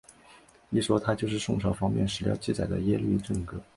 一说他就是宋朝方面史料记载的耶律郑哥。